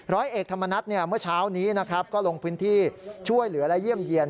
ร้อยเอกธรรมนัฐเมื่อเช้านี้นะครับก็ลงพื้นที่ช่วยเหลือและเยี่ยมเยี่ยน